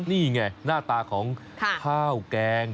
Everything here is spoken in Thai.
นี่ไงหน้าตาของข้าวแกง